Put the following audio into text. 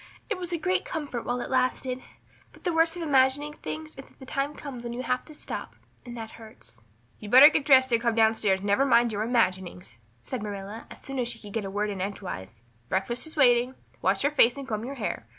It was a great comfort while it lasted. But the worst of imagining things is that the time comes when you have to stop and that hurts." "You'd better get dressed and come down stairs and never mind your imaginings," said Marilla as soon as she could get a word in edgewise. "Breakfast is waiting. Wash your face and comb your hair.